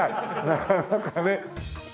なかなかね。